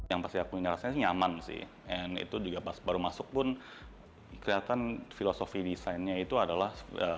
yang pasti aku ingat rasanya nyaman sih dan itu juga pas baru masuk pun kelihatan filosofi design nya itu adalah